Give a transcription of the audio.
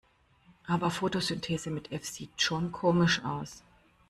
Aber Fotosynthese mit F sieht schon komisch aus.